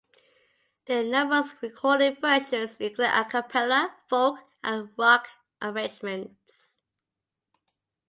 There are numerous recorded versions, including a cappella, folk, and rock arrangements.